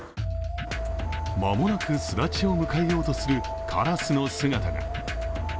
間もなく巣立ちを迎えようとするカラスの姿が。